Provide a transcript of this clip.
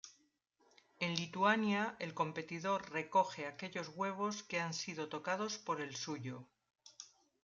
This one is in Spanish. En Lituania el competidor recoge aquellos huevos que han sido tocados por el suyo.